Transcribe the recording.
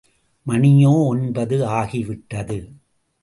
மணியோ ஒன்பது ஆகிவிட்டது.